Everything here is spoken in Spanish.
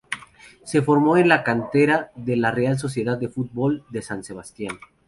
Se formó en la cantera de la Real Sociedad de Fútbol de San Sebastián.